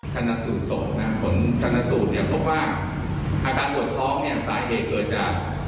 แล้วทำให้หัวใจหยุดเต้นก็เป็นภาวะหัวใจวาย